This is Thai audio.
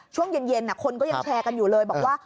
ช่วงเย็นคนก็ยังแชร์กันอยู่เลยบอกว่า